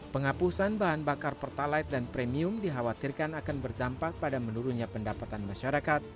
penghapusan bahan bakar pertalite dan premium dikhawatirkan akan berdampak pada menurunnya pendapatan masyarakat